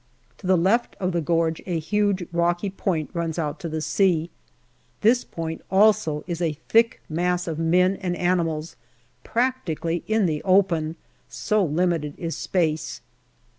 To the left of the gorge a huge rocky point runs out to the sea this point also is a thick mass of men and animals, practically in the open, so limited is space.